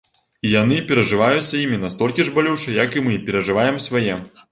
І яны перажываюцца імі настолькі ж балюча, як і мы перажываем свае.